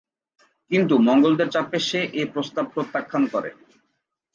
কিন্তু মঙ্গোলদের চাপে সে এ প্রস্তাব প্রত্যাখ্যান করে।